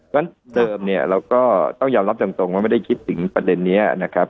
เพราะฉะนั้นเดิมเนี่ยเราก็ต้องยอมรับตรงว่าไม่ได้คิดถึงประเด็นนี้นะครับ